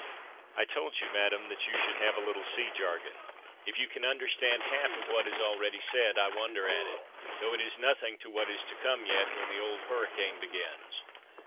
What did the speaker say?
I told you, Madam, you should have a little sea jargon: if you can understand half of what is already said, I wonder at it, though it is nothing to what is to come yet, when the old hurricane begins.